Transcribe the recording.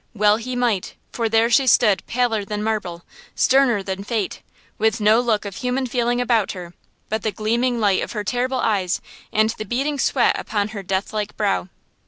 Well he might, for there she stood paler than marble–sterner than fate–with no look of human feeling about her, but the gleaming light of her terrible eyes, and the beading sweat upon her death like brow.